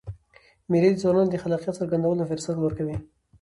مېلې د ځوانانو د خلاقیت څرګندولو فرصت ورکوي.